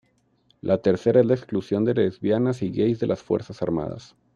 La tercera es la exclusión de lesbianas y gais de las fuerzas armadas.